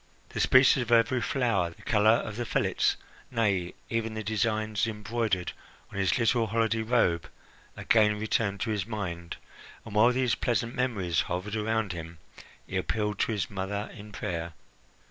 The species of every flower, the colour of the fillets nay, even the designs embroidered on his little holiday robe again returned to his mind, and, while these pleasant memories hovered around him, he appealed to his mother in prayer.